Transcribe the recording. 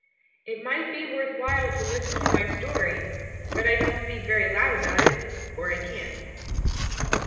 It might be worth while to listen to my story, but I don't speak very loud about it, for I can't."